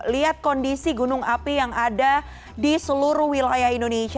lihat kondisi gunung api yang ada di seluruh wilayah indonesia